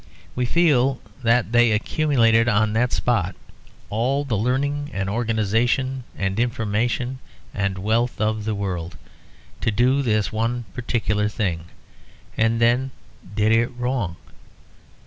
We feel that they accumulated on that spot all the learning and organisation and information and wealth of the world, to do this one particular thing; and then did it wrong.